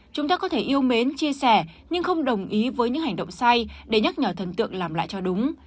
chúng ta có thể yêu mến chia sẻ nhưng không đồng ý với những hành động sai để nhắc nhở thần tượng làm lại cho đúng